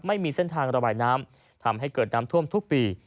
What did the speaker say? ไม่มีเส้นทางระบายน้ำทำให้เกิดน้ำท่วมทุกปี